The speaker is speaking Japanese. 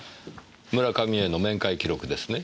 村上への面会記録ですね？